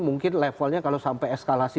mungkin levelnya kalau sampai eskalasi